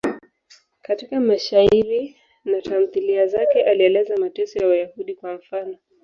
Katika mashairi na tamthiliya zake alieleza mateso ya Wayahudi, kwa mfano.